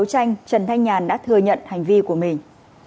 trần thanh nhàn đã thừa nhận hành vi của mình